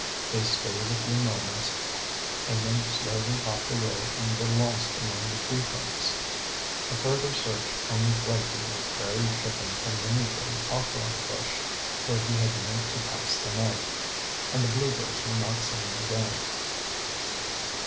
They stayed a few moments and then slowly hopped away and were lost among the tree trunks. A further search only frightened a prairie chicken from beneath a hawthorne bush, where he had meant to pass the night; and the bluebirds were not seen again.